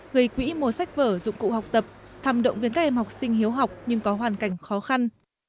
gây quỹ mô sách vở dụng cụ học tập tham động với các em học sinh hiếu học nhưng có hoàn cảnh khó khăn